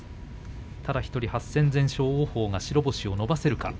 ただ１人８戦全勝王鵬が白星を伸ばせるか。